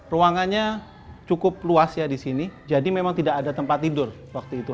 ruangannya cukup luas ya di sini jadi memang tidak ada tempat tidur waktu itu